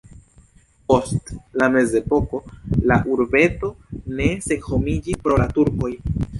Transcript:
Post la mezepoko la urbeto ne senhomiĝis pro la turkoj.